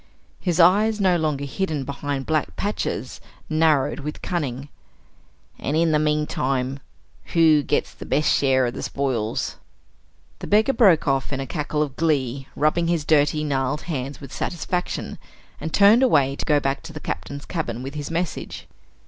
His eyes, no longer hidden behind black patches, narrowed with cunning. "And in the meantime, who gets the best share of the spoils?" The beggar broke off in a cackle of glee, rubbing his dirty gnarled hands with satisfaction, and turned away to go back to the Captain's cabin with his message.